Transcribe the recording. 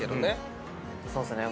そうっすね。